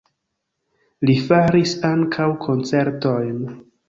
Li faris ankaŭ koncertojn.